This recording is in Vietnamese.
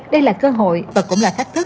đây là cơ hội và cũng là thách thức